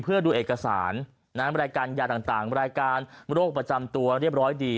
เพื่อดูเอกสารรายการยาต่างรายการโรคประจำตัวเรียบร้อยดี